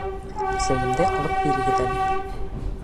Сәйемде алып бирегеҙ әле.